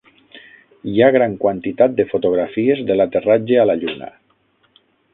Hi ha gran quantitat de fotografies de l'aterratge a la lluna